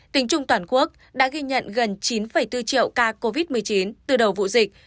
tính chung toàn quốc đã ghi nhận gần chín bốn triệu ca covid một mươi chín từ đầu vụ dịch